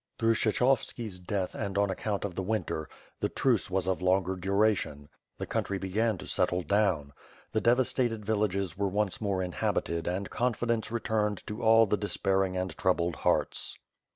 Through Kshechovski's death and on account of the winter, the truce was of longer duration; the country began to settle down; the devastated villages were once more inhabited and confidence returned to all the despairing and troubled hearts.